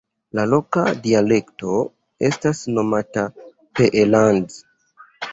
La loka dialekto estas nomata Peellands.